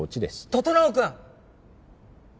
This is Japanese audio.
整君！